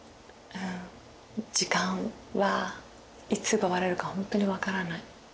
時間はいつ奪われるかほんとに分からない。